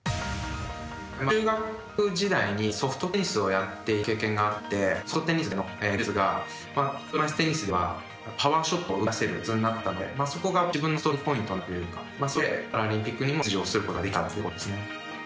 中学時代にソフトテニスをやっていた経験があってソフトテニスでの技術が車いすテニスではパワーショットを生み出せる秘けつになったのでそこが自分のストロングポイントになったというかそれでパラリンピックにも出場することができたというところですね。